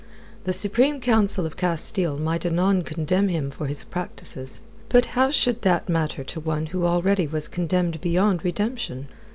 The Supreme Council of Castile might anon condemn him for his practices. But how should that matter to one who already was condemned beyond redemption?